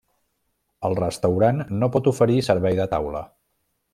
El restaurant pot no oferir servei de taula.